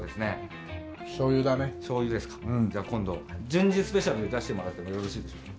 じゃあ今度純次スペシャルで出してもらってもよろしいでしょうか？